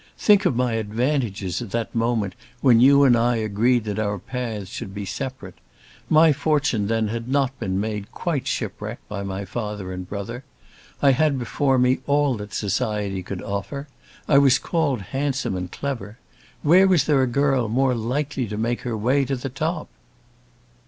Think of my advantages at that moment when you and I agreed that our paths should be separate. My fortune then had not been made quite shipwreck by my father and brother. I had before me all that society could offer. I was called handsome and clever. Where was there a girl more likely to make her way to the top?"